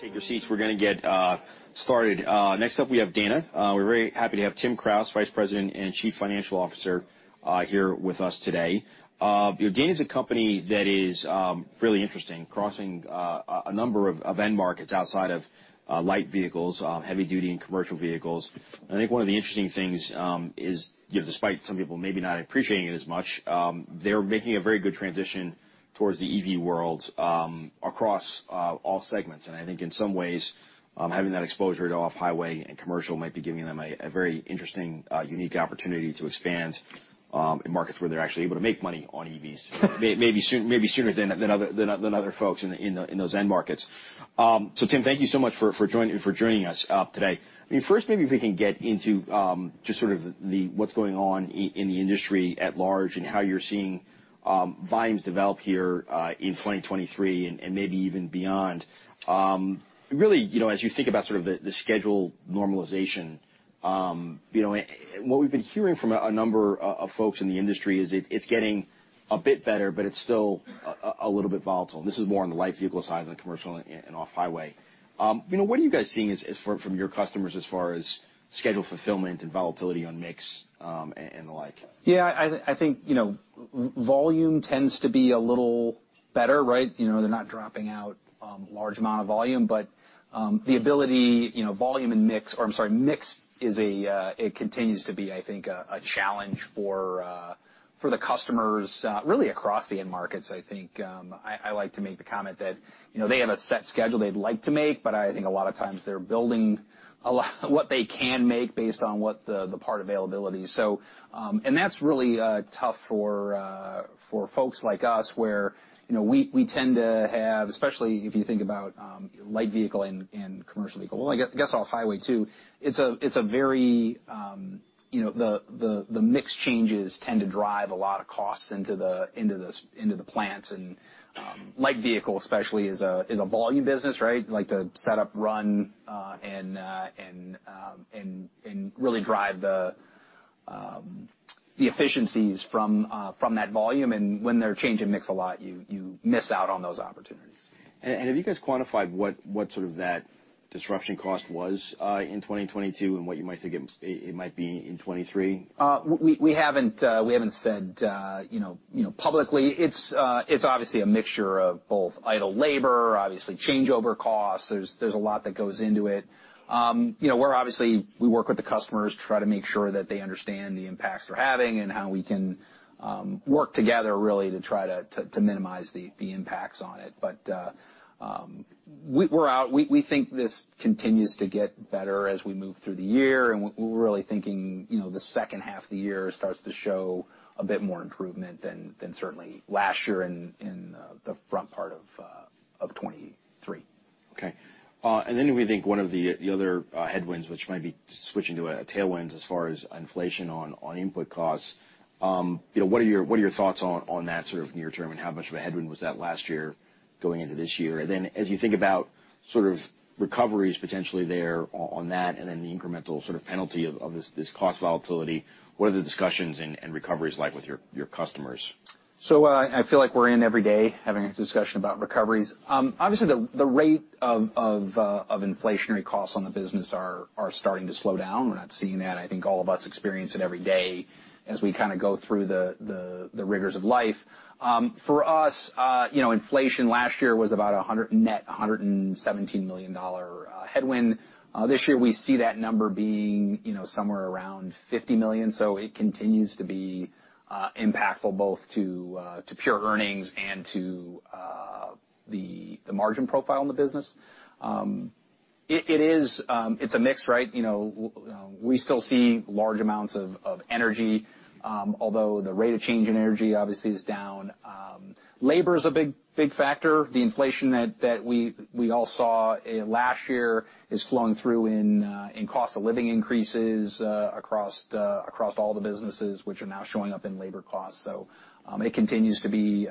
Take your seats. We're gonna get started. Next up, we have Dana. We're very happy to have Tim Krause, Vice President and Chief Financial Officer, here with us today. You know, Dana's a company that is really interesting, crossing a number of end markets outside of light vehicles, heavy-duty and commercial vehicles. I think one of the interesting things is, you know, despite some people maybe not appreciating it as much, they're making a very good transition towards the EV world across all segments. I think in some ways, having that exposure to off-highway and commercial might be giving them a very interesting, unique opportunity to expand in markets where they're actually able to make money on EVs. Maybe soon, maybe sooner than other folks in those end markets. Tim, thank you so much for joining us today. I mean, first, maybe if we can get into just sort of the, what's going on in the industry at large and how you're seeing volumes develop here in 2023, and maybe even beyond. Really, you know, as you think about sort of the schedule normalization, what we've been hearing from a number of folks in the industry is it's getting a bit better, but it's still a little bit volatile. This is more on the light vehicle side than the commercial and off-highway. You know, what are you guys seeing as far, from your customers as far as schedule fulfillment and volatility on mix, and the like? Yeah, I think, you know, volume tends to be a little better, right? They're not dropping out, large amount of volume. The ability, you know, volume and mix is a, it continues to be, I think, a challenge for for the customers, really across the end markets, I think. I like to make the comment that, you know, they have a set schedule they'd like to make, but I think a lot of times they're building a lot what they can make based on what the part availability. And that's really tough for folks like us, where, you know, we tend to have, especially if you think about light vehicle and commercial vehicle, well, I guess off-highway too, it's a very, you know, the mix changes tend to drive a lot of costs into the plants. And light vehicle especially is a volume business, right? Like the setup run and really drive the efficiencies from that volume. And when they're changing mix a lot, you miss out on those opportunities. Have you guys quantified what sort of that disruption cost was in 2022, and what you might think it might be in 2023? We haven't said, you know, publicly. It's obviously a mixture of both idle labor, obviously changeover costs. There's a lot that goes into it. You know, we work with the customers to try to make sure that they understand the impacts they're having and how we can work together really to try to minimize the impacts on it. We think this continues to get better as we move through the year, and we're really thinking, you know, the second half of the year starts to show a bit more improvement than certainly last year in the front part of 2023. Okay. We think one of the other headwinds, which might be switching to a tailwinds as far as inflation on input costs, you know, what are your thoughts on that sort of near term, and how much of a headwind was that last year going into this year? As you think about sort of recoveries potentially there on that the incremental sort of penalty of this cost volatility, what are the discussions and recoveries like with your customers? I feel like we're in every day having a discussion about recoveries. Obviously the rate of inflationary costs on the business are starting to slow down. We're not seeing that. I think all of us experience it every day as we kinda go through the rigors of life. For us, you know, inflation last year was about net $117 million headwind. This year we see that number being, you know, somewhere around $50 million, so it continues to be impactful both to pure earnings and to the margin profile in the business. It's a mix, right? You know, we still see large amounts of energy, although the rate of change in energy obviously is down. Labor is a big, big factor. The inflation that we all saw last year is flowing through in cost of living increases, across all the businesses which are now showing up in labor costs. It continues to be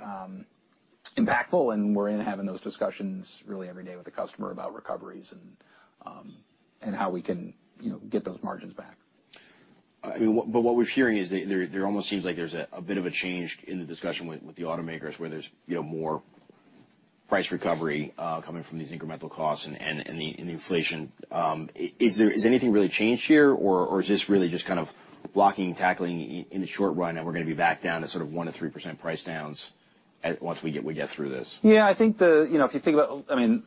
impactful, and we're in having those discussions really every day with the customer about recoveries, and how we can, you know, get those margins back. I mean, what we're hearing is that there almost seems like there's a bit of a change in the discussion with the automakers where there's, you know, more price recovery coming from these incremental costs and the inflation. Is there anything really changed here, or is this really just kind of blocking and tackling in the short run, and we're gonna be back down to sort of 1% to 3% price downs at, once we get through this? Yeah, I think the, you know, I mean,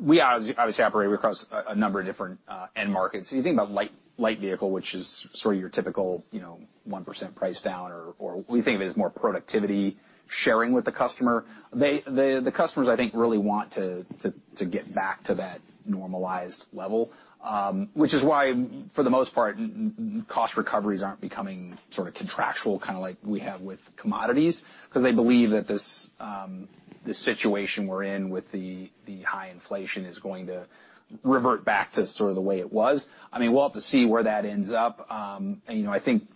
we obviously operate across a number of different end markets. You think about light vehicle, which is sort of your typical, you know, 1% price down or we think of it as more productivity sharing with the customer. The customers, I think, really want to get back to that normalized level, which is why for the most part cost recoveries aren't becoming sort of contractual, kinda like we have with commodities, 'cause they believe that this situation we're in with the high inflation is going to revert back to sort of the way it was. I mean, we'll have to see where that ends up. You know, I think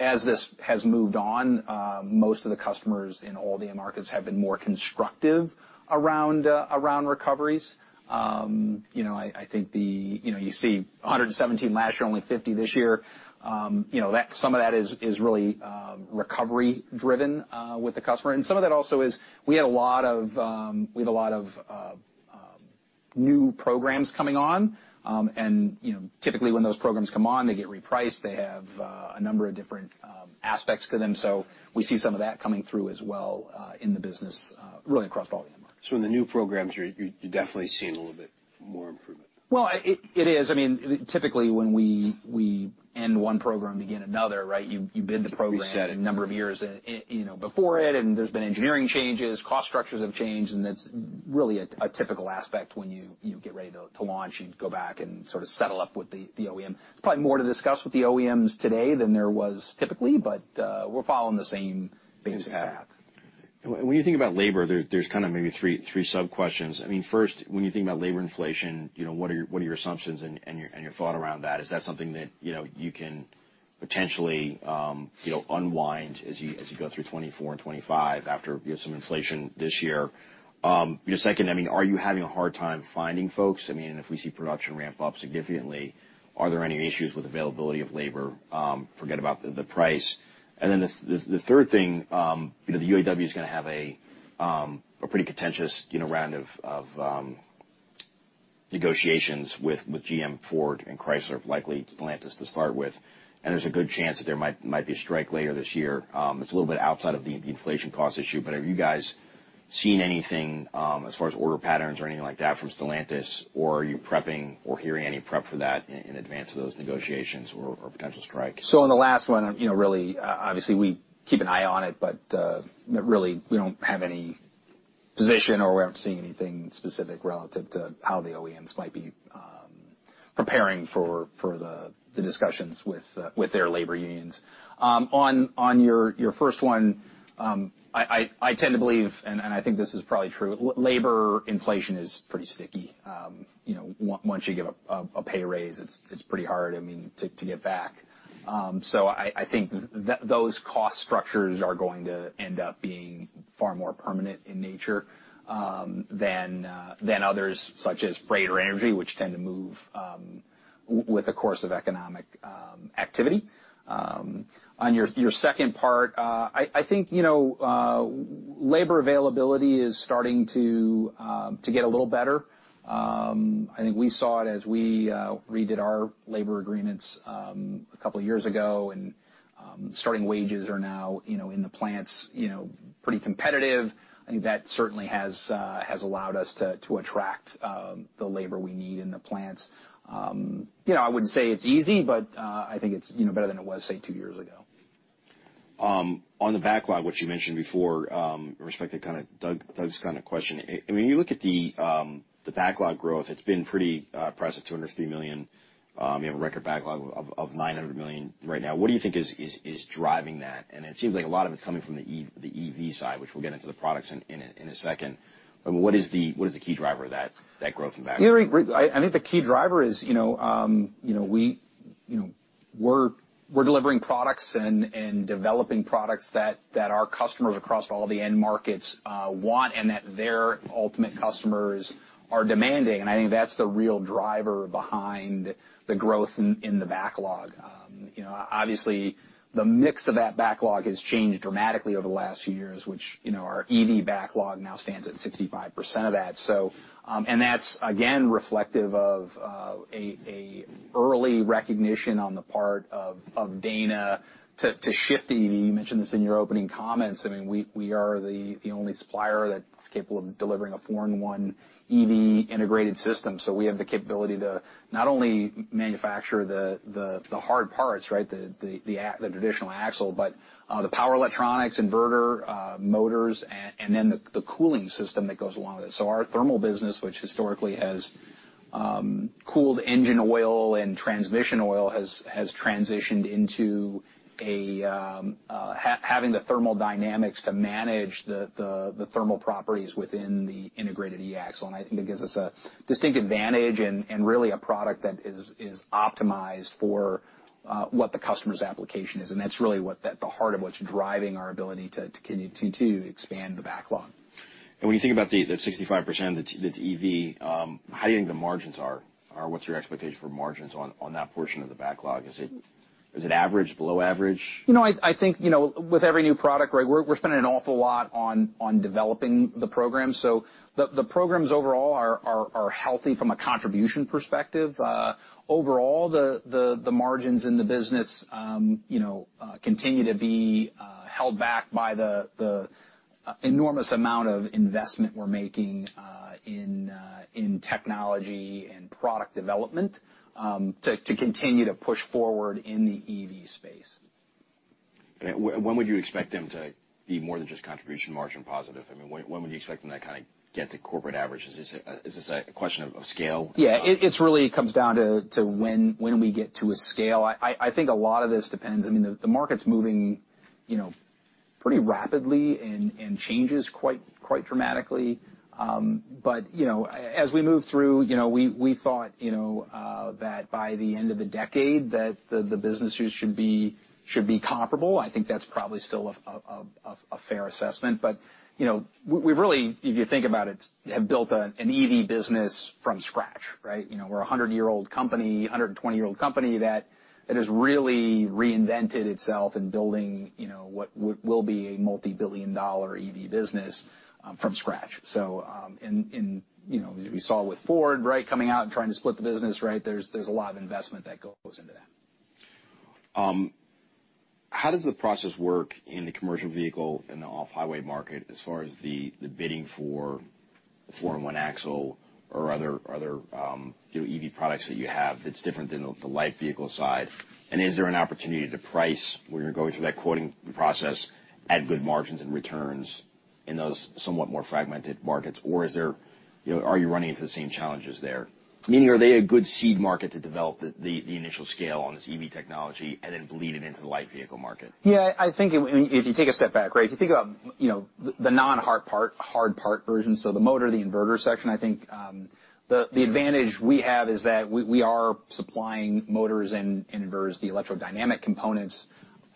as this has moved on, most of the customers in all the end markets have been more constructive around recoveries. You know, I think, you know, you see $117 million last year, only $50 million this year. You know, that, some of that is really recovery driven with the customer. Some of that also is we had a lot of, we have a lot of New programs coming on, you know, typically, when those programs come on, they get repriced. They have a number of different aspects to them. We see some of that coming through as well in the business really across all the end markets. In the new programs, you're definitely seeing a little bit more improvement. Well, it is. I mean, typically, when we end one program to begin another, right? You bid the program. Reset it. A number of years you know, before it, and there's been engineering changes, cost structures have changed, and that's really a typical aspect when you get ready to launch and go back and sort of settle up with the OEM. Probably more to discuss with the OEMs today than there was typically, but, we're following the same basic path. When you think about labor, there's kind of maybe three sub-questions. I mean, first, when you think about labor inflation, you know, what are your assumptions and your thought around that? Is that something that, you know, you can potentially, you know, unwind as you go through 2024 and 2025 after you have some inflation this year? Your second, I mean, are you having a hard time finding folks? I mean, if we see production ramp up significantly, are there any issues with availability of labor? Forget about the price. The third thing, you know, the UAW is gonna have a pretty contentious, you know, round of negotiations with GM, Ford, and likely Stellantis to start with. There's a good chance that there might be a strike later this year. It's a little bit outside of the inflation cost issue. Have you guys seen anything as far as order patterns or anything like that from Stellantis, or are you prepping or hearing any prep for that in advance of those negotiations or potential strike? On the last one obviously, we keep an eye on it, but really, we don't have any position or we haven't seen anything specific relative to how the OEMs might be preparing for the discussions with their labor unions. On your first one, I tend to believe, and I think this is probably true, labor inflation is pretty sticky. You know, once you give a pay raise, it's pretty hard to get back. I think those cost structures are going to end up being far more permanent in nature than others, such as freight or energy, which tend to move with the course of economic activity. on your second part, I think, you know, labor availability is starting to get a little better. I think we saw it as we redid our labor agreements, a couple years ago, and starting wages are now, you know, in the plants, you know, pretty competitive. I think that certainly has allowed us to attract the labor we need in the plants. you know, I wouldn't say it's easy, but I think it's, you know, better than it was, say, two years ago. On the backlog, which you mentioned before, with respect to kinda Doug's kinda question, I mean, you look at the backlog growth, it's been pretty impressive, $203 million. You have a record backlog of $900 million right now. What do you think is driving that? It seems like a lot of it's coming from the EV side, which we'll get into the products in a second. What is the key driver of that growth in backlog? Yeah, I think the key driver is, you know, we, you know, we're delivering products and developing products that our customers across all the end markets want and that their ultimate customers are demanding. I think that's the real driver behind the growth in the backlog. You know, obviously, the mix of that backlog has changed dramatically over the last few years, which, you know, our EV backlog now stands at 65% of that. That's again reflective of a early recognition on the part of Dana to shift to EV. You mentioned this in your opening comments. I mean, we are the only supplier that's capable of delivering a four-in-one EV integrated system. We have the capability to not only manufacture the hard parts, right, the traditional axle, but the power electronics, inverter, motors, and then the cooling system that goes along with it. Our thermal business, which historically has cooled engine oil and transmission oil, has transitioned into a having the thermal dynamics to manage the thermal properties within the integrated e-axle. I think it gives us a distinct advantage and really a product that is optimized for what the customer's application is. That's really what the heart of what's driving our ability to continue to expand the backlog. When you think about the 65% that's EV, how do you think the margins are? Or what's your expectation for margins on that portion of the backlog? Is it average? Below average? You know, I think with every new product, right, we're spending an awful lot on developing the program. The programs overall are healthy from a contribution perspective. Overall, the margins in the business, you know, continue to be held back by the enormous amount of investment we're making in technology and product development to continue to push forward in the EV space. When would you expect them to be more than just contribution margin positive? I mean, when would you expect them to kinda get to corporate average? Is this a question of scale? Yeah. It's really comes down to when we get to a scale. I think a lot of this depends, I mean, the market's moving, you know, pretty rapidly and changes quite dramatically. You know, as we move through, you know, we thought, you know, that by the end of the decade that the businesses should be comparable. I think that's probably still a fair assessment. You know, we really, if you think about it, have built an EV business from scratch, right? You know, we're a 100-year-old company, 120-year-old company that has really reinvented itself in building, you know, what will be a multi-billion dollar EV business from scratch. You know, as we saw with Ford, right, coming out and trying to split the business, right? There's a lot of investment that goes into that. How does the process work in the commercial vehicle and the off-highway market as far as the bidding for the four-in-one axle or other EV products that you have that's different than the light vehicle side? Is there an opportunity to price when you're going through that quoting process at good margins and returns in those somewhat more fragmented markets or are you running into the same challenges there? Meaning, are they a good seed market to develop the initial scale on this EV technology and then bleed it into the light vehicle market? Yeah, I mean, if you take a step back, right? If you think about, you know, the non-hard part, hard part version, so the motor, the inverter section, I think the advantage we have is that we are supplying motors and inverters, the electrodynamic components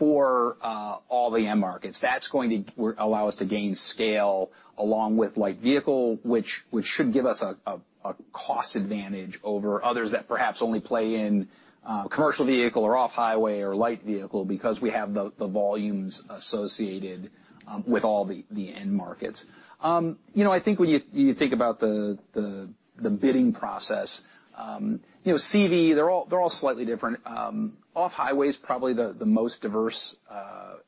for all the end markets. That's going to allow us to gain scale along with light vehicle, which should give us a cost advantage over others that perhaps only play in commercial vehicle or off-highway or light vehicle because we have the volumes associated with all the end markets. You know, I think when you think about the bidding process, you know, CV, they're all slightly different. Off-highway is probably the most diverse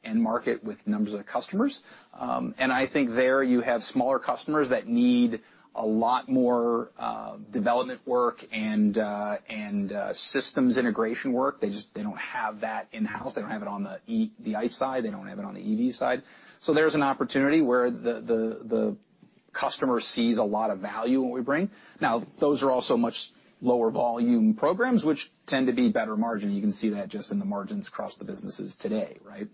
end market with numbers of customers. I think there you have smaller customers that need a lot more development work and systems integration work. They don't have that in-house. They don't have it on the ICE side. They don't have it on the EV side. There's an opportunity where the customer sees a lot of value in what we bring. Now, those are also much lower volume programs, which tend to be better margin. You can see that just in the margins across the businesses today, right?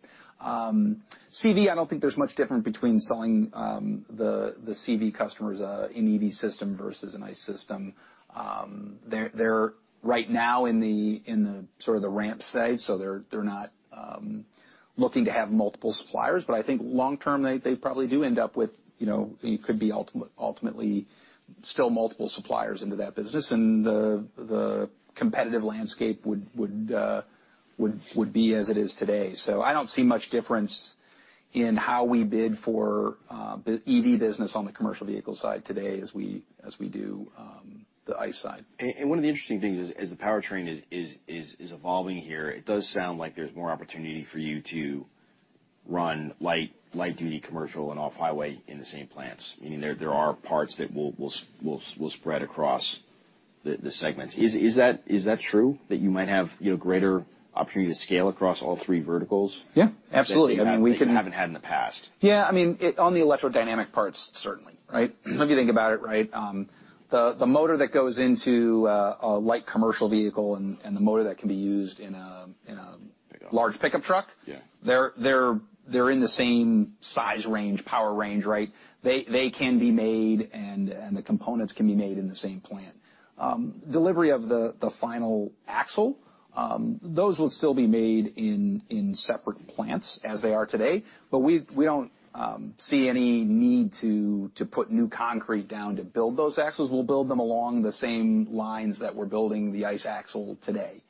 CV, I don't think there's much different between selling the CV customers an EV system versus an ICE system. They're right now in the sort of the ramp stage, so they're not looking to have multiple suppliers. I think long term, they probably do end up with, you know, it could be ultimately still multiple suppliers into that business and the competitive landscape would be as it is today. I don't see much difference in how we bid for EV business on the commercial vehicle side today as we do the ICE side. One of the interesting things is, as the powertrain is evolving here, it does sound like there's more opportunity for you to run light-duty commercial and off-highway in the same plants, meaning there are parts that will spread across the segments. Is that true that you might have, you know, greater opportunity to scale across all three verticals? Yeah. Absolutely. That you haven't had in the past. Yeah, I mean, on the electrodynamic parts, certainly, right? If you think about it, right, the motor that goes into a light commercial vehicle and the motor that can be used in a large pickup truck they're in the same size range, power range, right? They can be made and the components can be made in the same plant. Delivery of the final axle, those will still be made in separate plants as they are today, but we don't see any need to put new concrete down to build those axles. We'll build them along the same lines that we're building the ICE axle today.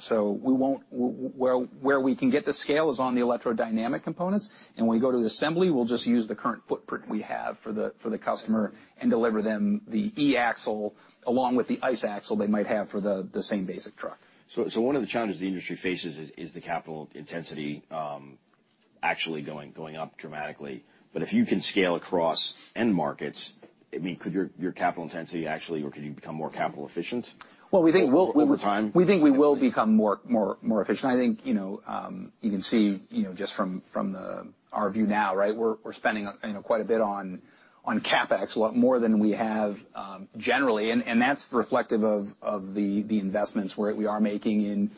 Where we can get the scale is on the electrodynamic components, and when we go to the assembly, we'll just use the current footprint we have for the customer and deliver them the eAxle along with the ICE Axle they might have for the same basic truck. One of the challenges the industry faces is the capital intensity, actually going up dramatically. If you can scale across end markets, I mean, could your capital intensity actually or could you become more capital efficient? Over time? We think we will become more efficient. I think, you know, you can see, you know, just from the our view now, right? We're spending, you know, quite a bit on CapEx, a lot more than we have generally, and that's reflective of the investments we are making in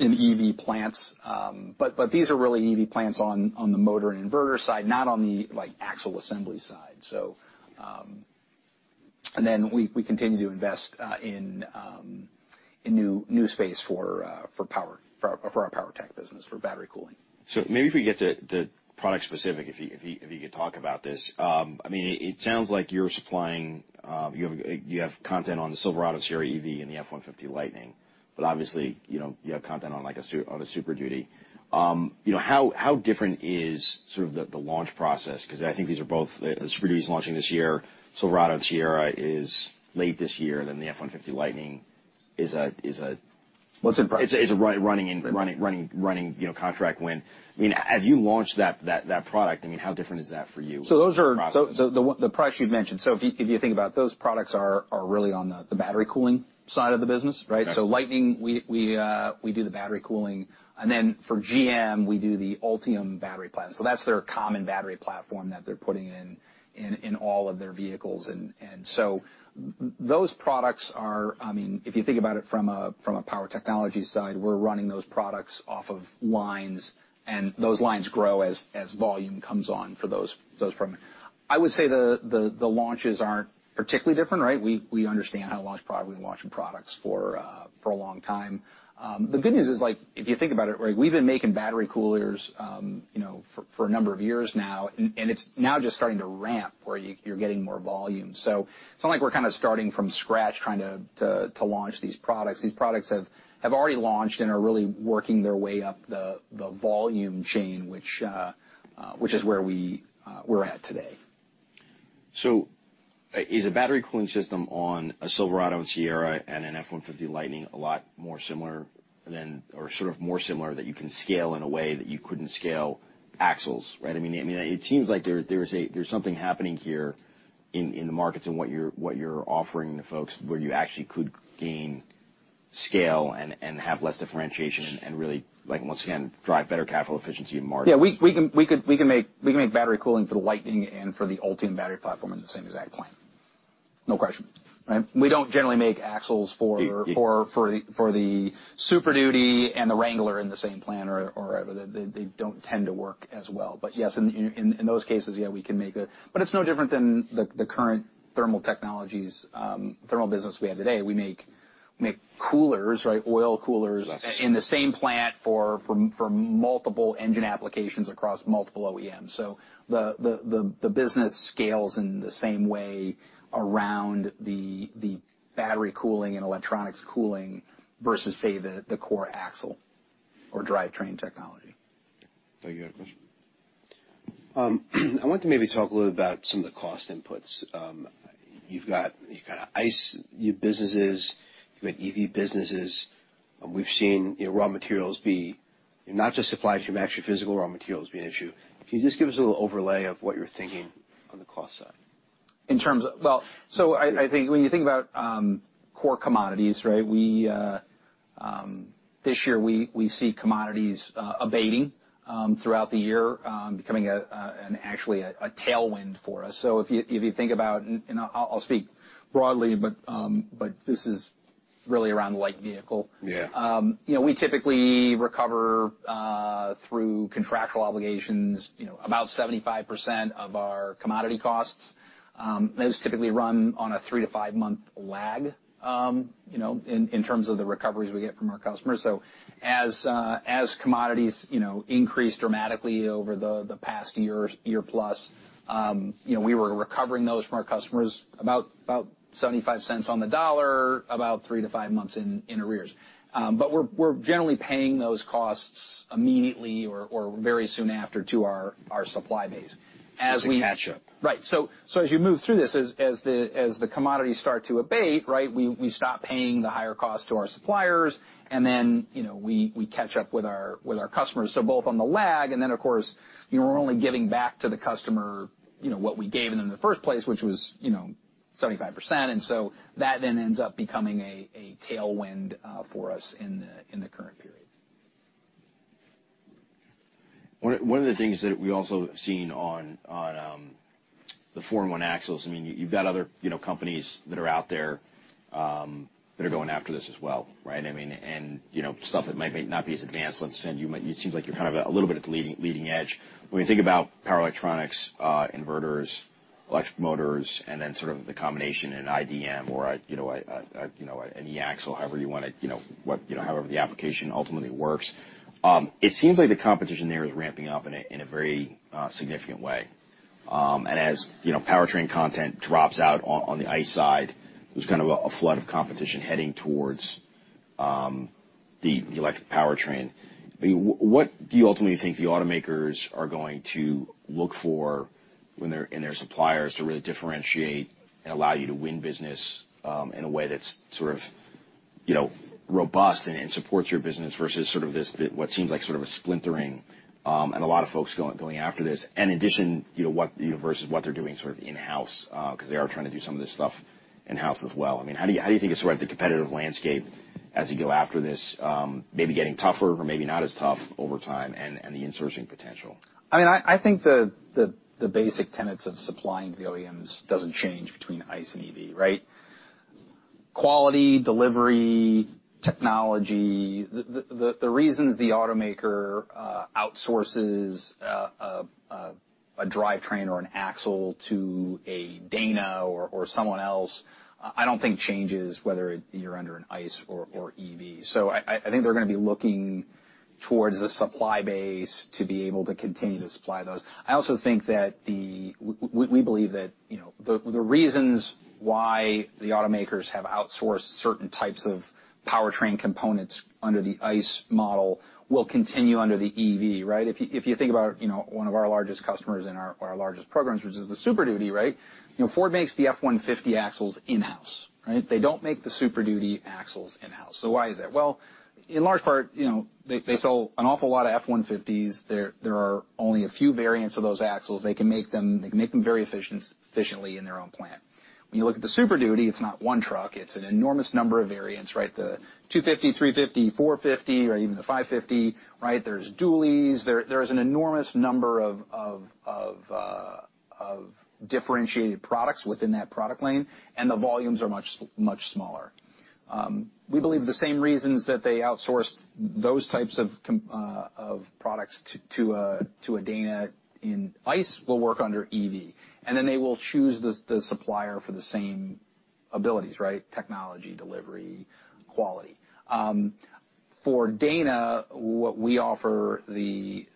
EV plants. These are really EV plants on the motor and inverter side, not on the, like, axle assembly side, so. We continue to invest in new space for power, for our Power Technologies business, for battery cooling. Maybe if we get to product specific, if you could talk about this. I mean, it sounds like you're supplying, you have content on the Silverado/Sierra EV, and the F-150 Lightning. Obviously, you know, you have content on like a Super Duty. You know, how different is sort of the launch process? 'Cause I think these are both, the Super Duty is launching this year, Silverado and Sierra is late this year, the F-150 Lightning is a running, you know, contract win. I mean, as you launch that product, I mean, how different is that for you? So those are the products you've mentioned, if you think about those products are really on the battery cooling side of the business, right? Okay. Lightning, we do the battery cooling, then for GM, we do the Ultium battery plan. That's their common battery platform that they're putting in all of their vehicles. Those products are, I mean, if you think about it from a Power Technologies side, we're running those products off of lines, and those lines grow as volume comes on for those products. I would say the launches aren't particularly different, right? We understand how to launch product. We've been launching products for a long time. The good news is like, if you think about it, right, we've been making battery coolers, you know, for a number of years now, it's now just starting to ramp where you're getting more volume. it's not like we're kinda starting from scratch trying to launch these products. These products have already launched and are really working their way up the volume chain, which is where we're at today. Is a battery cooling system on a Silverado/Sierra and an F-150 Lightning a lot more similar than or sort of more similar that you can scale in a way that you couldn't scale axles, right? I mean, it seems like there's something happening here in the markets and what you're offering the folks where you actually could gain scale and have less differentiation and really, like, once again, drive better capital efficiency and margin. Yeah, we can make battery cooling for the Lightning and for the Ultium battery platform in the same exact plant. No question, right? We don't generally make axles for the Super Duty and the Wrangler in the same plant or they don't tend to work as well. Yes, in those cases, yeah, we can make. It's no different than the current thermal technologies, thermal business we have today. We make coolers, right, oil coolers in the same plant for multiple engine applications across multiple OEMs. The business scales in the same way around the battery cooling and electronics cooling versus say the core axle or drivetrain technology. Doug you had a question? I want to maybe talk a little about some of the cost inputs. You've got ICE businesses, you've got EV businesses, we've seen, you know, raw materials be not just supplies from actual physical raw materials being an issue. Can you just give us a little overlay of what you're thinking on the cost side? I think when you think about, core commodities, right, we this year, we see commodities, abating, throughout the year, becoming an actually a tailwind for us. If you think about, and I'll speak broadly, but this is really around the light vehicle. Yeah. You know, we typically recover through contractual obligations, you know, about 75% of our commodity costs. Those typically run on a 3-to-5-month lag in terms of the recoveries we get from our customers. As commodities increased dramatically over the past year-plus, we were recovering those from our customers about $0.75 on the dollar, about 3 to 5 months in arrears. We're generally paying those costs immediately or very soon after to our supply base. It's a catch-up. Right. As you move through this, as the commodities start to abate, right, we stop paying the higher cost to our suppliers, and then, you know, we catch up with our customers. Both on the lag and then of course, you know, we're only giving back to the customer, you know, what we gave them in the first place, which was, you know, 75%, that then ends up becoming a tailwind for us in the current period. One of the things that we also have seen on the four-in-one axles, I mean, you've got other, you know, companies that are out there that are going after this as well, right? I mean, and, you know, stuff that might not be as advanced, let's say. It seems like you're kind of a little bit at the leading edge. When you think about power electronics, inverters, electric motors, and then sort of the combination in iDM or a, you know, an e-axle, however you wanna, however the application ultimately works, it seems like the competition there is ramping up in a very significant way. As, you know, powertrain content drops out on the ICE side, there's kind of a flood of competition heading towards the electric powertrain. I mean, what do you ultimately think the automakers are going to look for when in their suppliers to really differentiate and allow you to win business in a way that's sort of, you know, robust and supports your business versus sort of this, the, what seems like sort of a splintering, and a lot of folks going after this? In addition, you know, what, you know, versus what they're doing sort of in-house, 'cause they are trying to do some of this stuff in-house as well. I mean, how do you think it's sort of the competitive landscape as you go after this, maybe getting tougher or maybe not as tough over time and the insourcing potential? I mean, I think the basic tenets of supplying to the OEMs doesn't change between ICE and EV, right? Quality, delivery, technology, the reasons the automaker outsources a drivetrain or an axle to a Dana or someone else, I don't think changes whether you're under an ICE or EV. I think they're gonna be looking towards the supply base to be able to continue to supply those. I also think that we believe that, you know, the reasons why the automakers have outsourced certain types of powertrain components under the ICE model will continue under the EV, right? If you think about, you know, one of our largest customers in our largest programs, which is the Super Duty, right? You know, Ford makes the F-150 axles in-house, right? They don't make the Super Duty axles in-house. Why is that? Well, in large part, you know, they sell an awful lot of F-150s. There are only a few variants of those axles. They can make them, they can make them very efficiently in their own plant. When you look at the Super Duty, it's not one truck, it's an enormous number of variants, right? The 250, 350, 450, or even the 550, right? There's duallies. There is an enormous number of differentiated products within that product line, and the volumes are much smaller. We believe the same reasons that they outsourced those types of products to a Dana in ICE will work under EV, and then they will choose the supplier for the same abilities, right? Technology, delivery, quality. For Dana, what we offer the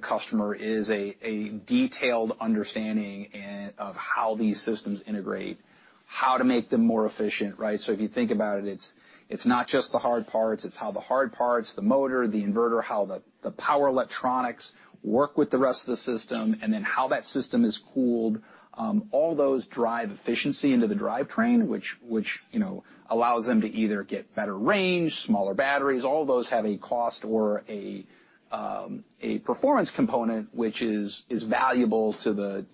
customer is a detailed understanding of how these systems integrate. How to make them more efficient, right? If you think about it's not just the hard parts, it's how the hard parts, the motor, the inverter, how the power electronics work with the rest of the system, and then how that system is cooled. All those drive efficiency into the drivetrain, which, you know, allows them to either get better range, smaller batteries. All those have a cost or a performance component which is valuable to the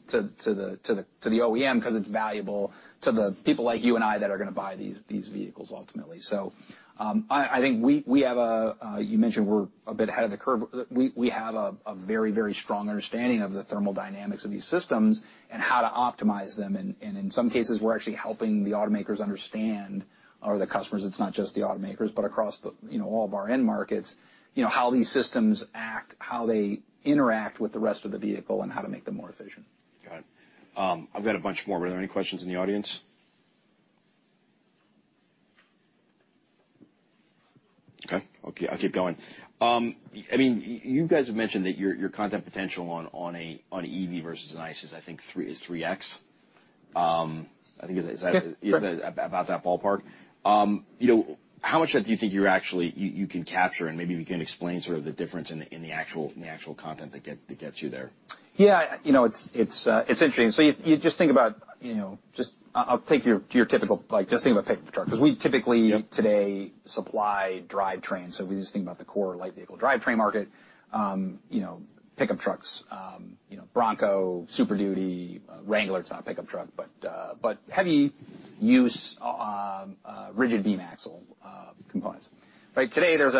OEM because it's valuable to the people like you and I that are gonna buy these vehicles ultimately. I think we have a. You mentioned we're a bit ahead of the curve. We have a very strong understanding of the thermal dynamics of these systems and how to optimize them. In some cases, we're actually helping the automakers understand or the customers, it's not just the automakers, but across the, you know, all of our end markets, you know, how these systems act, how they interact with the rest of the vehicle, and how to make them more efficient. Got it. I've got a bunch more, but are there any questions in the audience? Okay. Okay, I'll keep going. I mean, you guys have mentioned that your content potential on an EV versus an ICE is 3x. I think is that? Yeah. Sure. About that ballpark. you know, how much of that do you think you can capture? Maybe we can explain sort of the difference in the actual content that gets you there. Yeah. You know, it's interesting. If you just think about, you know, just I'll take your typical like just think of a pickup truck. 'Cause we typically- Yep. Today supply drivetrain, so we just think about the core light vehicle drivetrain market, you know, pickup trucks, you know, Bronco, Super Duty, Wrangler, it's not a pickup truck, but heavy use, rigid beam axle components. Right, today, there's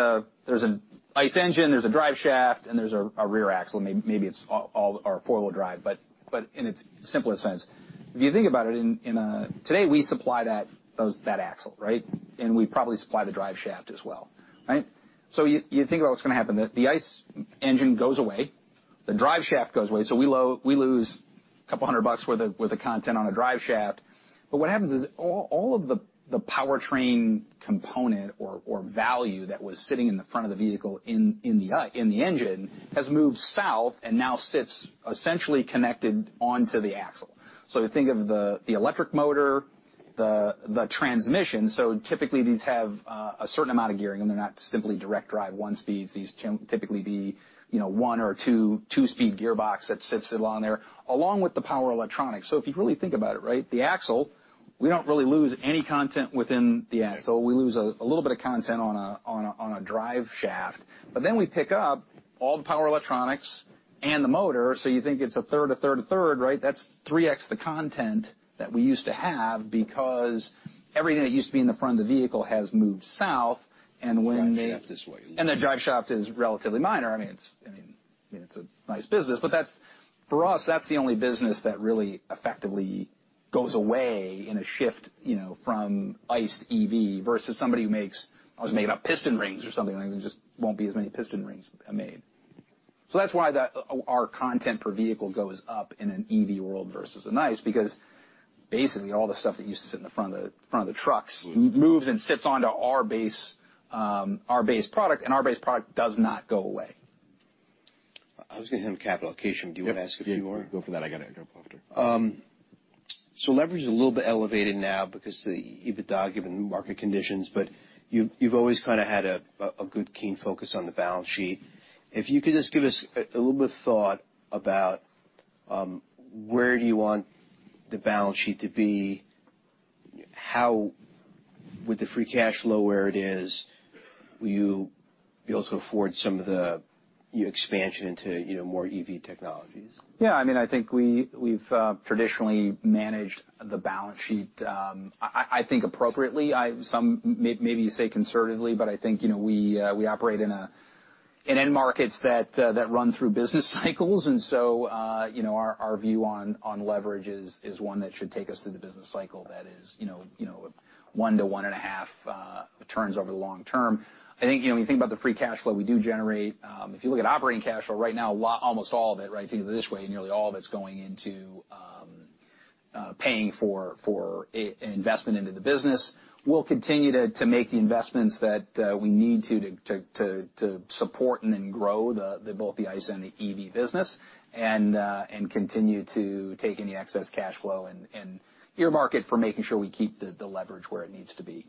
an ICE engine, there's a drive shaft, and there's a rear axle. Maybe it's all or four-wheel drive, but in its simplest sense. If you think about it, today, we supply that axle, right? We probably supply the drive shaft as well, right? You think about what's gonna happen. The ICE engine goes away, the drive shaft goes away, so we lose $200 worth of content on a drive shaft. What happens is all of the powertrain component or value that was sitting in the front of the vehicle in the engine has moved south and now sits essentially connected onto the axle. If you think of the electric motor, the transmission, typically these have a certain amount of gearing, and they're not simply direct drive one speeds. These typically be, you know, one or two-speed gearbox that sits along there, along with the power electronics. If you really think about it, right? The axle, we don't really lose any content within the axle. We lose a little bit of content on a drive shaft, we pick up all the power electronics and the motor. You think it's a third, a third, a third, right? That's 3x the content that we used to have because everything that used to be in the front of the vehicle has moved south. Drive shaft is what you lose. The drive shaft is relatively minor. I mean, it's, I mean, it's a nice business, but that's for us, that's the only business that really effectively goes away in a shift, you know, from ICE to EV versus somebody who makes, I don't know, piston rings or something like that. There just won't be as many piston rings made. That's why the our content per vehicle goes up in an EV world versus an ICE because basically all the stuff that used to sit in the front of the trucks moves and sits onto our base, our base product, and our base product does not go away. I was gonna have a capital location. Do you wanna ask a few more? Yeah. Go for that. I gotta go after. Leverage is a little bit elevated now because the EBITDA given market conditions, but you've always kinda had a good keen focus on the balance sheet. If you could just give us a little bit of thought about where do you want the balance sheet to be? How with the free cash flow where it is, will you be able to afford some of the expansion into, you know, more EV technologies? Yeah. I mean, I think we've traditionally managed the balance sheet, I think appropriately. Some maybe you say conservatively, but I think, you know, we operate in end markets that run through business cycles. You know, our view on leverage is one that should take us through the business cycle. That is, you know, 1 to 1.5 returns over the long term. I think, you know, when you think about the free cash flow we do generate, if you look at operating cash flow right now, almost all of it, right? Think of it this way, nearly all of it's going into paying for investment into the business. We'll continue to make the investments that we need to support and then grow the both the ICE and the EV business and continue to take any excess cash flow and earmark it for making sure we keep the leverage where it needs to be.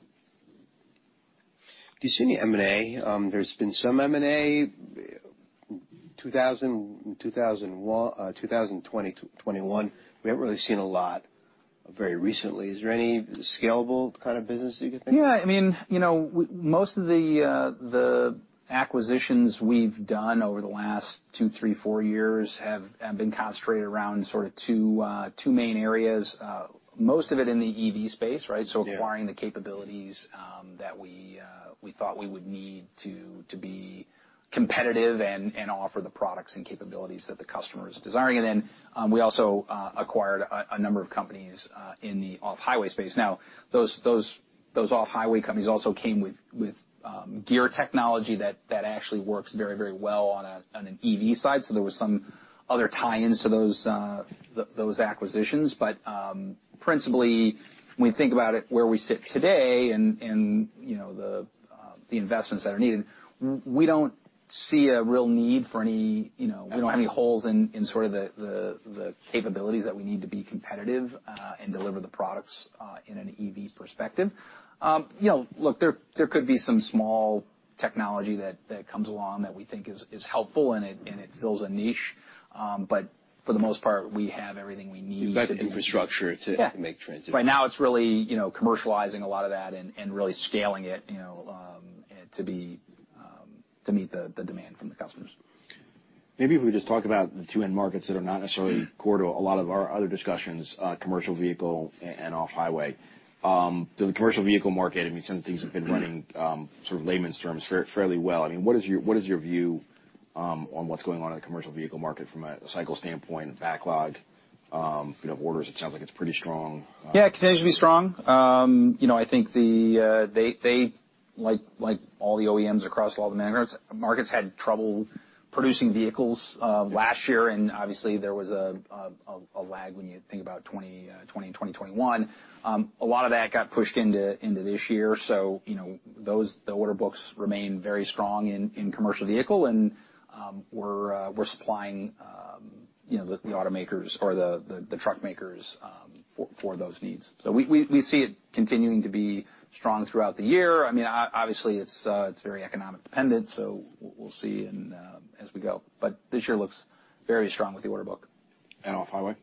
Do you see any M&A? There's been some M&A 2020 to 2021. We haven't really seen a lot very recently. Is there any scalable kind of business that you could think of? Yeah. I mean, you know, most of the acquisitions we've done over the last two, three, four years have been concentrated around sort of two main areas, most of it in the EV space, right? Yeah. Acquiring the capabilities that we thought we would need to be competitive and offer the products and capabilities that the customer is desiring. We also acquired a number of companies in the off-highway space. Those off-highway companies also came with gear technology that actually works very, very well on an EV side. There was some other tie-ins to those acquisitions. Principally, when we think about it, where we sit today and, you know, the investments that are needed. We don't see a real need for any, you know, we don't have any holes in sort of the capabilities that we need to be competitive and deliver the products in an EV perspective. you know, look, there could be some small technology that comes along that we think is helpful and it, and it fills a niche. For the most part, we have everything we need- You've got the infrastructure. Yeah to make transitions. Right now it's really, you know, commercializing a lot of that and really scaling it, you know, to meet the demand from the customers. Maybe if we just talk about the two end markets that are not necessarily core to a lot of our other discussions, commercial vehicle and off highway. The commercial vehicle market, I mean, some of the things have been running, sort of layman's terms, fairly well. I mean, what is your, what is your view, on what's going on in the commercial vehicle market from a cycle standpoint and backlog, you know, orders? It sounds like it's pretty strong. Yeah. Continues to be strong. You know, I think they, like all the OEMs across all the main markets, had trouble producing vehicles last year, and obviously there was a lag when you think about 2020 and 2021. A lot of that got pushed into this year. You know, the order books remain very strong in commercial vehicle and we're supplying, you know, the automakers or the truck makers for those needs. We see it continuing to be strong throughout the year. I mean, obviously it's very economic dependent, so we'll see and as we go. This year looks very strong with the order book. off highway?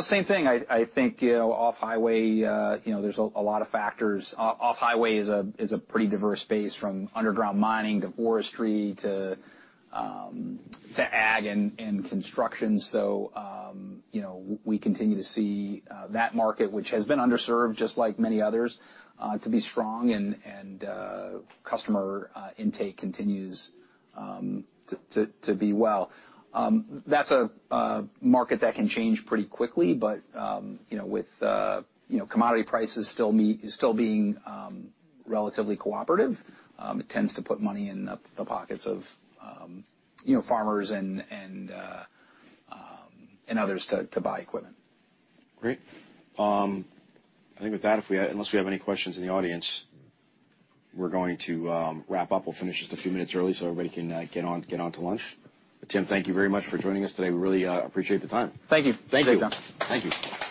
Same thing. I think, you know, off highway, you know, there's a lot of factors. Off highway is a pretty diverse space, from underground mining to forestry to ag and construction. You know, we continue to see that market, which has been underserved just like many others, to be strong and customer intake continues to be well. That's a market that can change pretty quickly. You know, with, you know, commodity prices still being relatively cooperative, it tends to put money in the pockets of, you know, farmers and others to buy equipment. Great. I think with that, unless we have any questions in the audience, we're going to wrap up. We'll finish just a few minutes early so everybody can get on to lunch. Tim, thank you very much for joining us today. We really appreciate the time. Thank you. Thank you. Take care. Thank you.